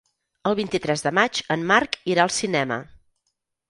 El vint-i-tres de maig en Marc irà al cinema.